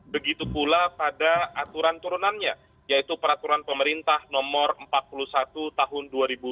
begitu pula pada aturan turunannya yaitu peraturan pemerintah nomor empat puluh satu tahun dua ribu dua puluh